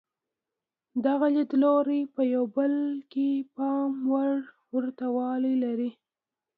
دغه لیدلوري په یو بل کې پام وړ ورته والی لري.